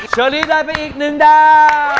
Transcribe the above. เชอรี่ได้เป็นอีกหนึ่งได้